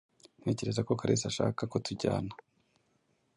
Ntekereza ko Kalisa ashaka ko tujyana.